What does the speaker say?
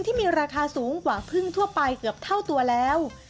ที่มีราคาสูงกว่าพึ่งทั่วไปเกือบเท่าตัวแล้ว